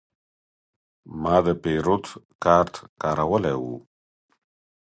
ما د پیرود کارت کارولی و.